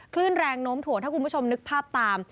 คลื่นแรงโน้มถ่วงถ้าคุณผู้ชมนึกภาพตาม